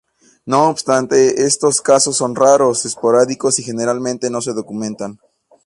No obstante, estos casos son raros, esporádicos y generalmente no se documentan.